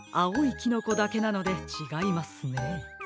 キノコだけなのでちがいますね。